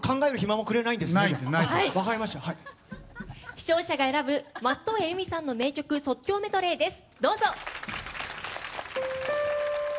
視聴者が選ぶ松任谷由実さんの名曲即興メドレーです。